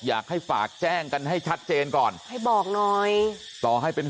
อยากให้ฝากแจ้งกันให้ชัดเจนก่อนให้บอกหน่อยต่อให้เป็น